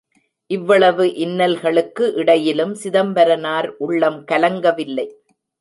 இவ்வளவு இன்னல்களுக்கு இடையிலும் சிதம்பரனார் உள்ளம் கலங்கவில்லை.